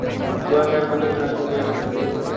কুয়াশার মধ্যে থাকা কিছু একটা জন লিকে ছিনিয়ে নিয়ে গেছে!